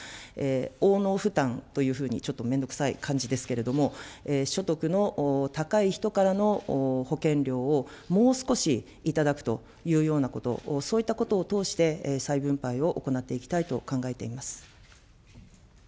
応能負担というふうに、ちょっと面倒くさい感じですけれども、所得の高い人からの保険料をもう少し頂くというようなこと、そういったことを通して、再分配を行っていきたいと考えています。